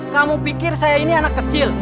kamu pikir saya ini anak kecil